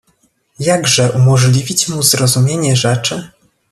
"Jakże umożliwić mu zrozumienie rzeczy?"